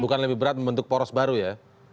bukan lebih berat membentuk poros baru ya